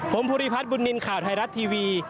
ผมภูริพัฒนบุญนินทร์ข่าวไทยรัฐทีวี